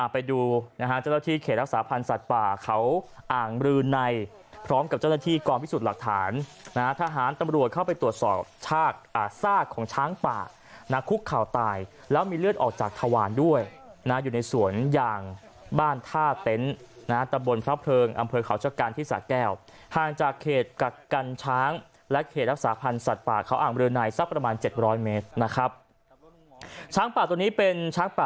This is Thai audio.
ไปดูเจ้าหน้าที่เขตรักษาพันธ์สัตว์ป่าเขาอ่างมือในพร้อมกับเจ้าหน้าที่กรอบพิสูจน์หลักฐานทหารตำรวจเข้าไปตรวจสอบชาติสร้างของช้างป่าคุกข่าวตายแล้วมีเลือดออกจากทวารด้วยอยู่ในสวนยางบ้านท่าเต็นต์ตำบลพระเภิงอำเภอเขาชะกันที่สระแก้วห่างจากเขตกัดกันช้างและเขตรักษาพัน